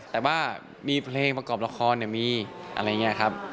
แต่ว่ามีเพลงประกอบละครมีอะไรอย่างนี้ครับ